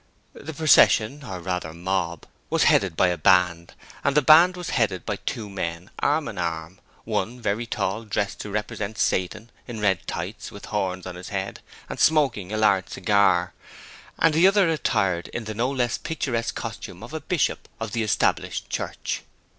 The procession or rather, mob was headed by a band, and the band was headed by two men, arm in arm, one very tall, dressed to represent Satan, in red tights, with horns on his head, and smoking a large cigar, and the other attired in the no less picturesque costume of a bishop of the Established Church.